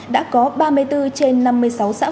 đã có ba mươi bốn trên năm mươi sáu xã